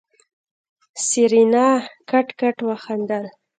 سېرېنا کټ کټ وخندل.